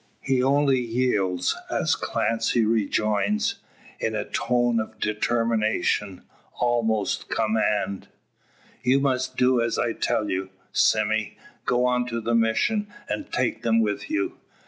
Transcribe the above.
He only yields as Clancy rejoins, in a tone of determination, almost command: "You must do as I tell you, Sime; go on to the Mission, and take them with you.